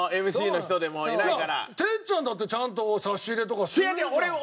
哲ちゃんだってちゃんと差し入れとかするじゃん。